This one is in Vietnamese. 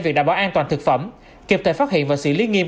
việc đảm bảo an toàn thực phẩm kịp thời phát hiện và xử lý nghiêm